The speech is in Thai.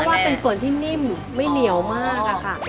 ว่าเป็นส่วนที่นิ่มไม่เหนียวมากอะค่ะ